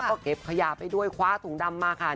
ก็เก็บขยะไปด้วยคว้าถุงดำมาค่ะ